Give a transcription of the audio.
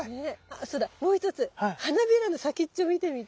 そうだもう一つ花びらの先っちょ見てみて。